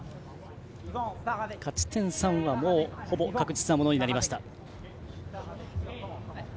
勝ち点３はもうほぼ確実なものになりました。